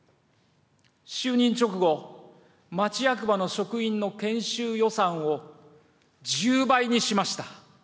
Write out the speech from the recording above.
就任直後、町役場の職員の研修予算を１０倍にしました。